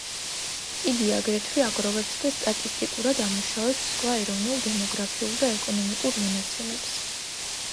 იგი აგრეთვე აგროვებს და სტატისტიკურად ამუშავებს სხვა ეროვნულ დემოგრაფიულ და ეკონომიკურ მონაცემებს.